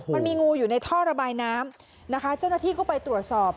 มันมีงูอยู่ในท่อระบายน้ำนะคะเจ้าหน้าที่ก็ไปตรวจสอบ